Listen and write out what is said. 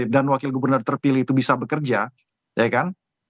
dan wakil gubernur terpilih itu bisa bekerja ya kan